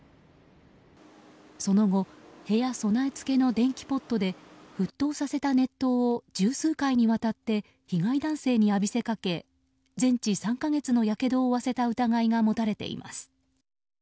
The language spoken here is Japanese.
その後、部屋備え付けの電気ポットで沸騰させた熱湯を十数回にわたって被害男性に浴びせかけ全治３か月のやけどを負わせた疑いが持たれています。